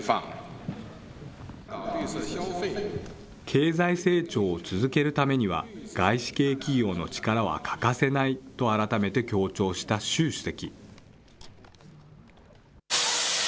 経済成長を続けるためには、外資系企業の力は欠かせないと改めて強調した習主席。